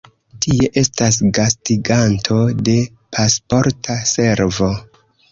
Tie estas gastiganto de Pasporta Servo.